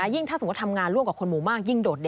ยิ่งถ้าสมมุติทำงานร่วมกับคนหมู่มากยิ่งโดด